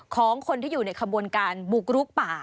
ของคนที่อยู่ในขบวนการบุกรุกป่า